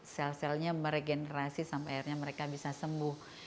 sel selnya meregenerasi sampai akhirnya mereka bisa sembuh